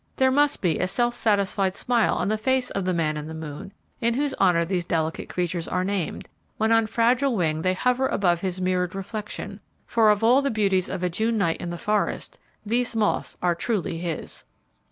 There must be a self satisfied smile on the face of the man in the moon, in whose honour these delicate creatures are named, when on fragile wing they hover above his mirrored reflection; for of all the beauties of a June night in the forest, these moths are most truly his.